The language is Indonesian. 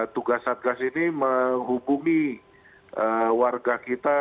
tugas satgas ini menghubungi warga kita